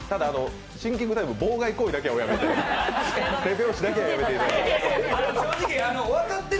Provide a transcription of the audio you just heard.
シンキングタイム妨害行為だけはやめていただいて。